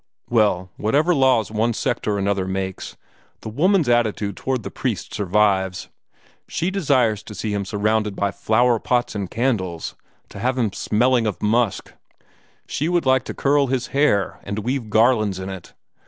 "Well, whatever laws one sect or another makes, the woman's attitude toward the priest survives. She desires to see him surrounded by flower pots and candles, to have him smelling of musk. She would like to curl his hair, and weave garlands in it.